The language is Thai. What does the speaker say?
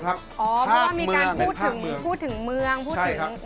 ภาคเมืองเป็นภาคเมือง